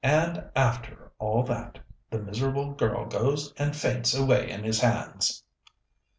And after all that, the miserable girl goes and faints away in his hands!"